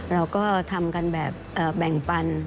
เราก็ทำกันแบบแบ่งปัน